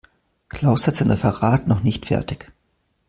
Klaus hat sein Referat noch nicht fertig.